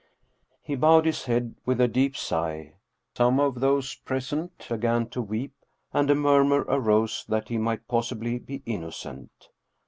He bowed his head with a deep sigh. Some of those present began to weep, and a murmur arose that he might possibly be innocent.